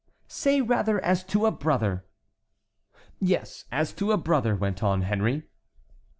"Say rather as to a brother." "Yes, as to a brother," went on Henry.